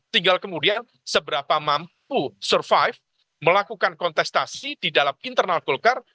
tinggal kemudian seberapa mampu survive melakukan kontestasi di dalam internal golkar